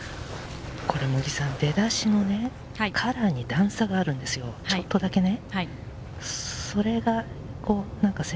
これ出だしのカラーに段差があるんですよ、ちょっとだけね。